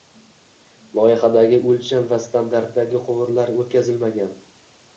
Loyihadagi oʻlcham va standartdagi quvurlar oʻtqazilmagan